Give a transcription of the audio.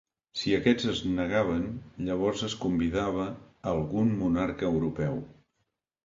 Si aquests es negaven, llavors es convidava a algun monarca europeu.